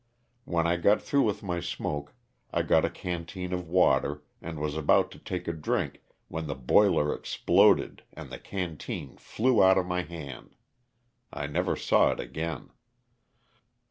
When I got through with my smoke I got a canteen of water, and was about to take a drink when the boiler exploded and the canteen flew out of my hand. I never saw it again.